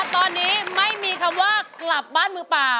ตอนนี้ไม่มีคำว่ากลับบ้านมือเปล่า